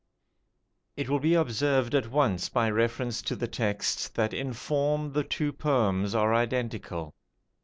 It will be observed at once by reference to the text that in form the two poems are identical.